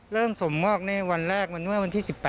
เริ่มส่งมอบในวันแรกวันที่๑๘